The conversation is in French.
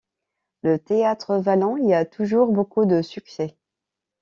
Le théâtre wallon y a toujours beaucoup de succès.